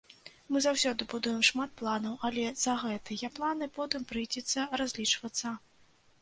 Мы заўсёды будуем шмат планаў, але за гэтыя планы потым прыйдзецца разлічвацца.